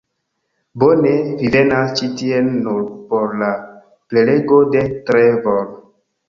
Bone, vi venas ĉi tien nur por la prelego de Trevor